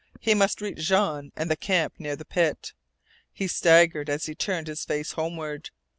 He must reach Jean and the camp near the pit. He staggered as he turned his face homeward.